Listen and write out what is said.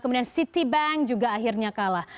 kemudian citibank juga akhirnya kalah